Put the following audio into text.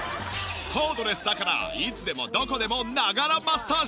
コードレスだからいつでもどこでもながらマッサージ！